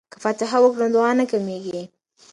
که فاتحه وکړو نو دعا نه کمیږي.